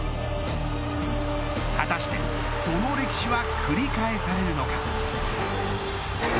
果たしてその歴史は繰り返されるのか。